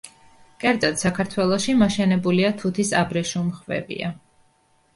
კერძოდ საქართველოში, მოშენებულია თუთის აბრეშუმხვევია.